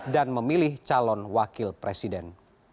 dan memilih calon wakil presiden